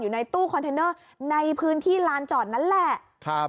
ในตู้คอนเทนเนอร์ในพื้นที่ลานจอดนั้นแหละ